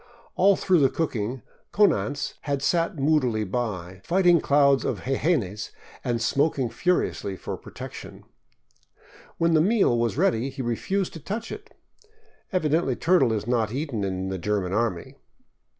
All through the cooking Konanz had sat moodily by, fighting clouds of jejenes and smoking furiously for protection. When the meal was ready he refused to touch it. Evidently turtle is not eaten in the German army.